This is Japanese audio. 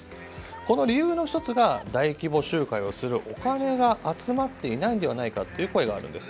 この理由の１つが大規模集会をするお金が集まっていないのではないかという声があるんです。